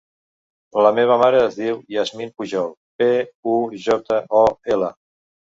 La meva mare es diu Yasmine Pujol: pe, u, jota, o, ela.